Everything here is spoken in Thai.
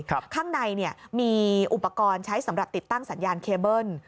ข้างในมีอุปกรณ์ใช้สำหรับติดตั้งสัญญาณเคเบิ้ล